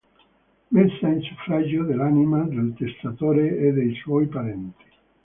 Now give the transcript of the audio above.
Messa in suffragio dell'anima del testatore e dei suoi parenti.